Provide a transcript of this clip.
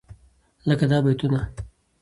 لکه دا بيتونه: